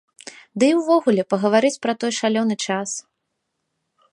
Ды і ўвогуле, пагаварыць пра той шалёны час.